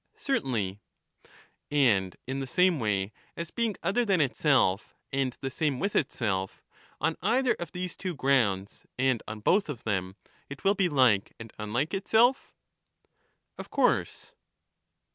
Certainly. And in the same way as being other than itself and the same with itself, on either of these two grounds and on both of them, it will be like and unlike itself? Of course.